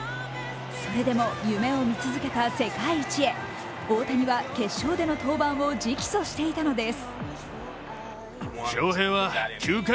それでも夢を見続けた世界一へ、大谷は決勝での登板を直訴していたのです。